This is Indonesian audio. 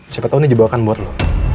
siapa tau ini jebakan buat lo